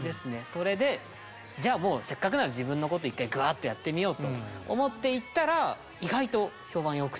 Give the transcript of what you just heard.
それでじゃあもうせっかくなら自分のこと一回グアーッとやってみようと思っていったら意外と評判良くて。